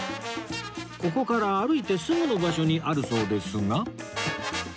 ここから歩いてすぐの場所にあるそうですが